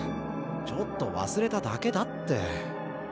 ちょっと忘れただけだって。